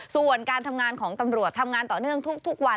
ส่วนการทำงานของตำรวจทำงานต่อเนื่องทุกวัน